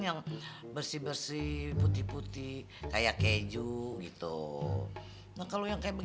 yang bersih bersih putih putih kayak keju gitu nah kalau yang kayak